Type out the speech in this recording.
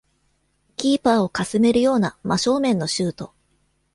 キーパーをかすめるような真正面のシュート